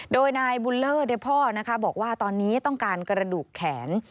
โดยนายบุญเลอร์พ่อนะคะบอกว่าตอนนี้ต้องการกระดูกแขน